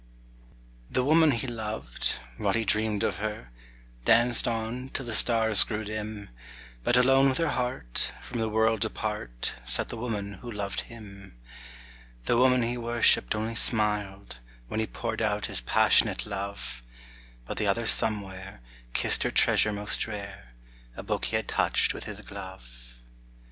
The woman he loved, while he dreamed of her, Danced on till the stars grew dim, But alone with her heart, from the world apart, Sat the woman who loved him. The woman he worshiped only smiled, When he poured out his passionate love. But the other somewhere, kissed her treasure most rare, A book he had touched with his glove.